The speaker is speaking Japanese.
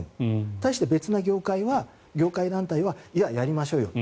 対して別の業界団体はいや、やりましょうよと。